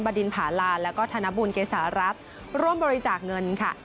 ดินผาลานแล้วก็ธนบุญเกษารัฐร่วมบริจาคเงินค่ะ